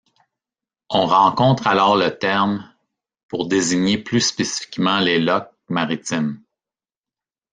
On rencontre alors le terme ' pour désigner plus spécifiquement les lochs maritimes.